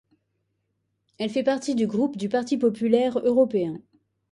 Elle fait partie du groupe du Parti populaire européen.